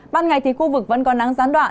ban ngày thì khu vực vẫn có nắng gián đoạn